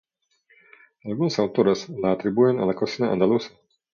Algunos autores la atribuyen a la cocina andaluza.